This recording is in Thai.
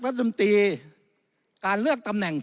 ผมเคารพในมุมมองที่แตกต่างของทุกท่านที่พูดไป